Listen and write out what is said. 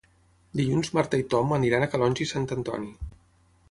Dilluns na Marta i en Tom iran a Calonge i Sant Antoni.